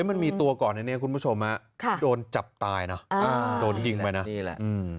มันมีตัวก่อนอันนี้คุณผู้ชมโดนจับตายนะโดนยิงไปนะนี่แหละ